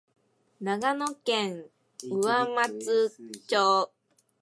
長野県上松町